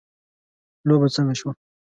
لوبه څنګه شوه .